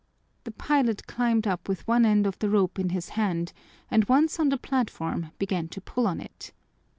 The pilot climbed up with one end of the rope in his hand and once on the platform began to pull on it.